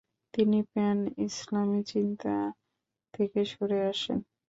তিনি প্যান ইসলামি চিন্তা থেকে সরে আসেন।